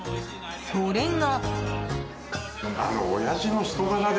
それが。